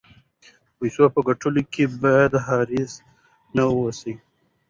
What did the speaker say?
د پیسو په ګټلو کې باید حریص نه اوسو.